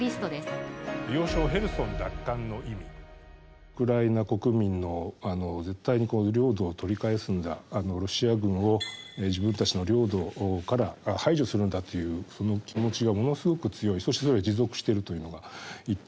ウクライナ国民の絶対に領土を取り返すんだロシア軍を自分たちの領土から排除するんだというその気持ちがものすごく強いそしてそれが持続してるというのが一点。